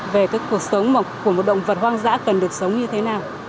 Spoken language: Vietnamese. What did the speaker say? về cuộc sống của một động vật hoàn toàn